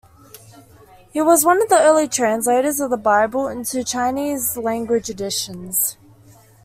He was one of the early translators of the Bible into Chinese language editions.